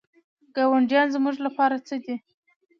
ګاونډیان زموږ لپاره څه دي؟